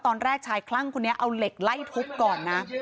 ตอนแรกชายคลั่งคนนี้เอาเหล็กไล่ทุบก่อนนะ